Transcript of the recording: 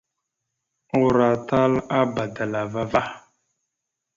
Uroatal a bbadalava va.